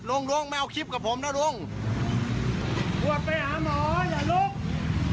ลุงดวงไม่เอาคลิปกับผมนะลุงอวดไปหาหมออย่าลุก